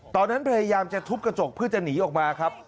ตอนนั้นพระยามจะทุบกระจกเพื่อจะหนีออกมาครับ